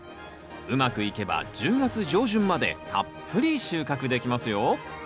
うまくいけば１０月上旬までたっぷり収穫できますよ。